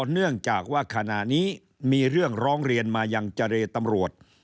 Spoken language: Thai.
เนื่องจากว่าขณะนี้มีเรื่องร้องเรียนมายังเจรตำรวจ